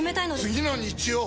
次の日曜！